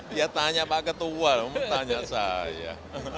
dia tanya pak ketua kamu tanya saja